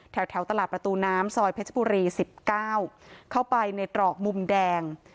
แถวตลาดประตูน้ำซอยเพชรบุรี๑๙เข้าไปในตรอกมุมแดง